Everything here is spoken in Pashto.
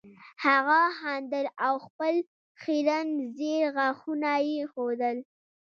هغه خندل او خپل خیرن زیړ غاښونه یې ښودل